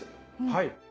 はい。